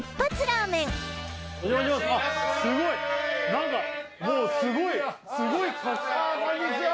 何かもうすごいすごいああこんにちは